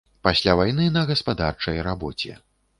Пасля вайны на гаспадарчай рабоце.